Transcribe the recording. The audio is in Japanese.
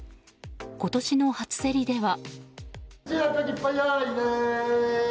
今年の初競りでは。